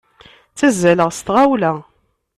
Ttazzaleɣ s tɣawla.